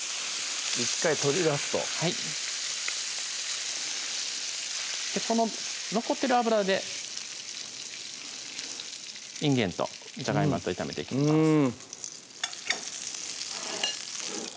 １回取り出すとはいこの残ってる油でいんげんとじゃがいもと炒めていきます